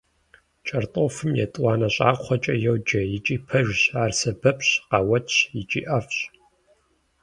КӀэртӀофым «етӀуанэ щӀакхъуэкӀэ» йоджэ, икӀи пэжщ, ар сэбэпщ, къэуатщ икӀи ӀэфӀщ.